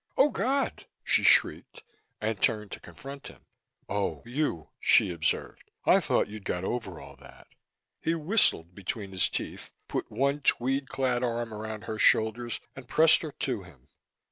"Oh! God!" she shrieked and turned to confront him. "Oh, you!" she observed. "I thought you'd got over all that!" He whistled between his teeth, put one tweed clad arm around her shoulders and pressed her to him.